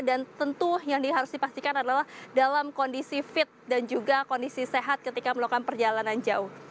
dan tentu yang diharus dipastikan adalah dalam kondisi fit dan juga kondisi sehat ketika melakukan perjalanan jauh